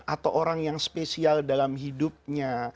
atau orang yang spesial dalam hidupnya